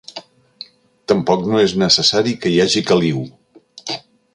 Tampoc no és necessari que hi hagi caliu.